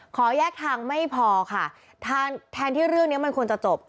ขอแยกทางไม่พอค่ะแทนที่เรื่องนี้มันควรจะจบ